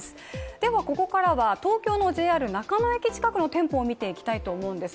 ではここからは東京のＪＲ中野駅近くの店舗を見ていきたいと思うんです。